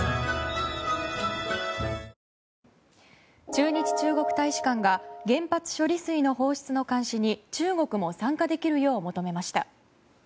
駐日中国大使館が原発処理水の放出の監視に中国も参加できるよう求めました。